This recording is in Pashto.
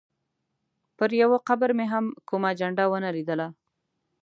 پر یوه قبر مې هم کومه جنډه ونه لیدله.